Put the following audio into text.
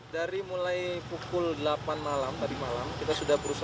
dari mulai pukul delapan malam tadi malam kita sudah berusaha